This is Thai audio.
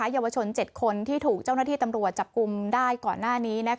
เยาวชน๗คนที่ถูกเจ้าหน้าที่ตำรวจจับกลุ่มได้ก่อนหน้านี้